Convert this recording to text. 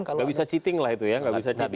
gak bisa cheating lah itu ya gak bisa cat